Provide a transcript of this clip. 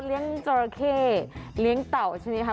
เลี้ยงจอราเคเลี้ยงเต่าใช่มั้ยคะ